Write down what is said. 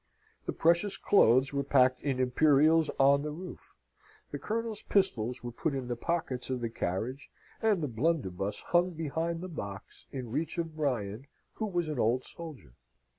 The precious clothes were packed in imperials on the roof. The Colonel's pistols were put in the pockets of the carriage, and the blunderbuss hung behind the box, in reach of Brian, who was an old soldier.